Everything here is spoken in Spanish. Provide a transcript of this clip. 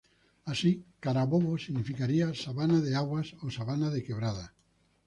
Así, Carabobo, significaría Sabana de Aguas o Sabana de Quebradas.